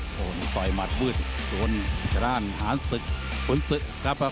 โดนต่อยมัดวืดโดนชะด้านหานศึกขุนศึกครับอ่ะ